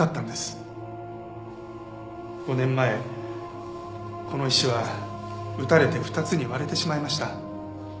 ５年前この石は撃たれて２つに割れてしまいました。